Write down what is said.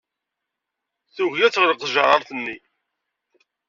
Tugi ad teɣleq tjeṛṛaṛt-nni.